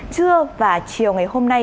trưa và chiều ngày hôm nay